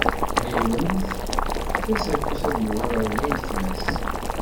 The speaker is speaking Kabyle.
Ɛiwent-t, fket-as afus, ad yuɣal ɣer wayetma-s.